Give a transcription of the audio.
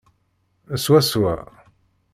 Swaswa.